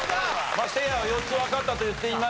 まあせいやが４つわかったと言っていましたから。